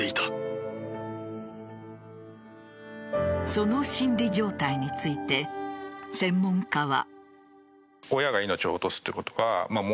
その心理状態について専門家は。